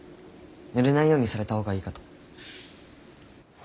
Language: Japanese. ぬれないようにされた方がいいかと。